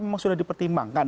apa memang sudah dipertimbangkan